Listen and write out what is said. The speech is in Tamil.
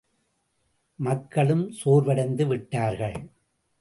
மக்களும் சோர்வடைந்து விட்டார்கள்.